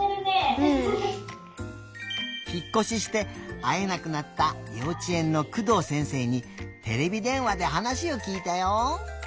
うん。ひっこししてあえなくなったようちえんの工藤先生にテレビでんわではなしをきいたよ！